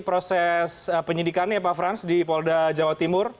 proses penyidikannya pak frans di polda jawa timur